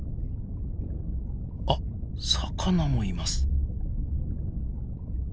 あっ魚もいます。